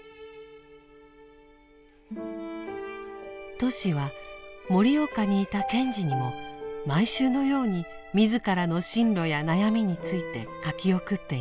トシは盛岡にいた賢治にも毎週のように自らの進路や悩みについて書き送っています。